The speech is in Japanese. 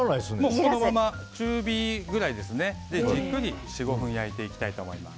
そのまま中火ぐらいで４５分焼いていきたいと思います。